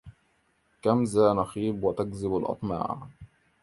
كم ذا نخيب وتكذب الأطماع